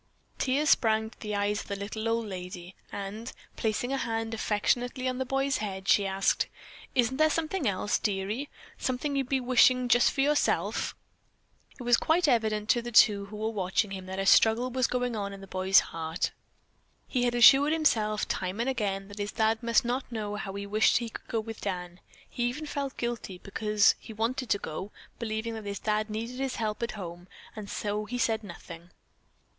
Tears sprang to the eyes of the little old lady, and placing a hand affectionately on the boy's head she asked: "Isn't there something else, dearie, something you'd be wishing just for yourself?" It was quite evident to the two who were watching that a struggle was going on in the boy's heart. He had assured himself, time and again, that his dad must not know how he wished that he could go with Dan. He even felt guilty, because he wanted to go, believing that his dad needed his help at home, and so he said nothing.